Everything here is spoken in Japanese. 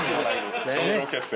頂上決戦。